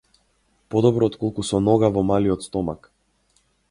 Подобро отколку со нога во малиот стомак.